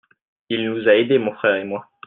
Il nous a aidé mon frère et moi.